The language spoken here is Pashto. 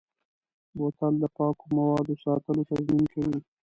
بوتل د پاکو موادو ساتلو تضمین کوي.